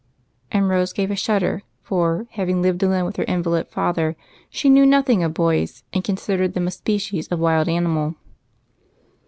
And Rose gave a shudder, for, having lived alone with her invalid father, she knew nothing of boys, and con sidered them a species of wild animal.